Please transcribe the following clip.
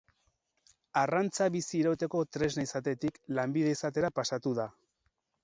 Arrantza bizi irauteko tresna izatetik lanbide izatera pasatu da.